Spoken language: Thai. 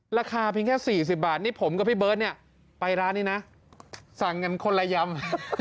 ราคาเพียงแค่๔๐บาทนี่ผมกับพี่เบิร์ตเนี่ยไปร้านนี้นะสั่งกันคนละยำ